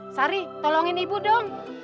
sari tolongin ibu dong